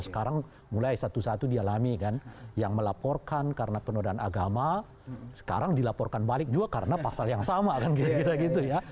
sekarang mulai satu satu dialami kan yang melaporkan karena penodaan agama sekarang dilaporkan balik juga karena pasal yang sama kan kira kira gitu ya